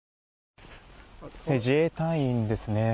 自衛隊員ですね。